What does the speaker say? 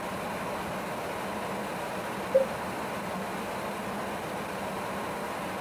En su otra mano lleva una cruz.